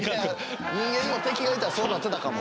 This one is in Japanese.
人間にも敵がいたらそうなってたかも。